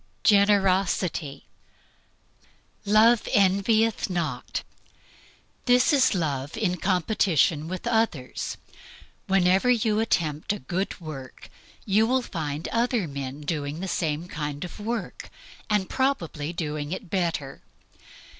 Generosity. "Love envieth not." This is love in competition with others. Whenever you attempt a good work you will find other men doing the same kind of work, and probably doing it better.